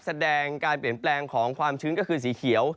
แสดงการเปลี่ยนแปลงของความชื้นก็คือสีเขียว